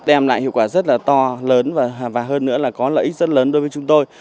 đem lại hiệu quả rất là to lớn và hơn nữa là có lợi ích rất lớn đối với chúng tôi